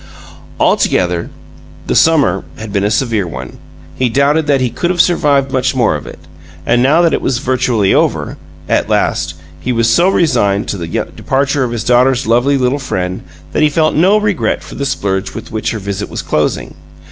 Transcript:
Altogether, the summer had been a severe one; he doubted that he could have survived much more of it. And now that it was virtually over, at last, he was so resigned to the departure of his daughter's lovely little friend that he felt no regret for the splurge with which her visit was closing.